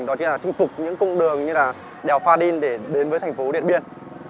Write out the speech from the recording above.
đó chính là chinh phục những cung đường như là đèo pha đin để đến với thành phố điện biên